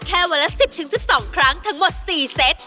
วันละ๑๐๑๒ครั้งทั้งหมด๔เซต